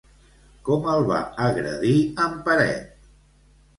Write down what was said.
Com el va agredir en Peret?